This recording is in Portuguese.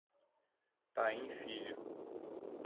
Paim Filho